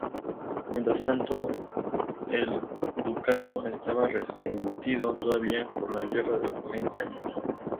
Mientras tanto, el ducado estaba resentido todavía por la Guerra de los Treinta Años.